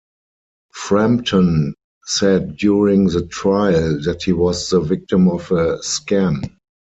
Frampton said during the trial that he was the victim of a scam.